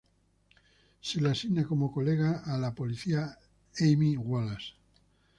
Se le asigna como colega a la policía Amy Wallace.